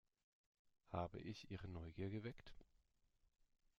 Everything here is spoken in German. Habe ich Ihre Neugier geweckt?